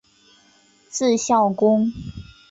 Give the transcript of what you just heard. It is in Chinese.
字孝公。